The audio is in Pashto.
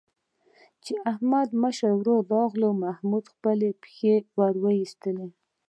چې د احمد مشر ورور راغی، محمود خپلې پښې وایستلې.